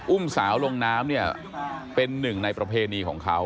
อุ้มสาวลงน้ำเนี่ยเป็นหนึ่งในประเพณีของเขา